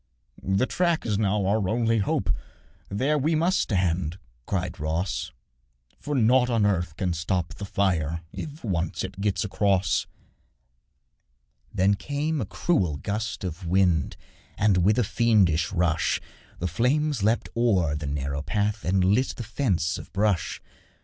'The track is now our only hope, There we must stand,' cried Ross, 'For nought on earth can stop the fire If once it gets across.' Then came a cruel gust of wind, And, with a fiendish rush, The flames leapt o'er the narrow path And lit the fence of brush.